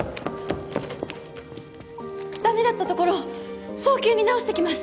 ダメだったところ早急に直してきます。